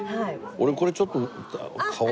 俺これちょっと買おう。